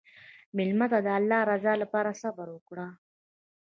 مېلمه ته د الله رضا لپاره صبر وکړه.